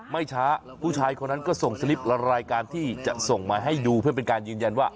ไม่ช้าผู้ชายคนนั้นก็ส่งสลิปรายการที่จะส่งมาให้ดูเพื่อเป็นการยืนยันว่า